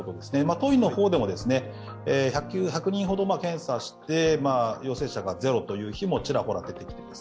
当院の方でも１００人ほど検査して陽性者がゼロという日もちらほらと出てきています。